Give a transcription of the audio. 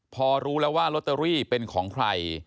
พอรู้แล้วว่าลอตเตอรี่เป็นของใคร